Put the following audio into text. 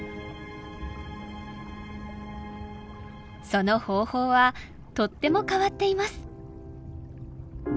その方法はとっても変わっています。